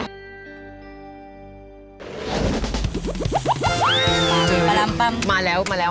จริงป่ะตามใจตายอะไรสักอย่าง